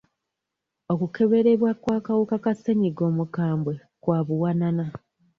Okukeberebwa kw'akawuka ka ssennyiga omukambwe kwa buwanana.